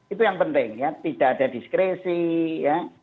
itu yang penting ya tidak ada diskresi ya